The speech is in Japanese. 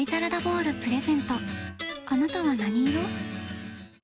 あなたは何色？